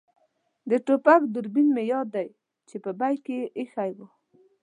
د ټوپک دوربین مې یاد دی چې په بېک کې مې اېښی وو.